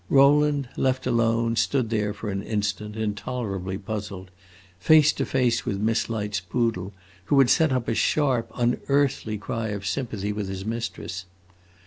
Rowland, left alone, stood there for an instant, intolerably puzzled, face to face with Miss Light's poodle, who had set up a sharp, unearthly cry of sympathy with his mistress.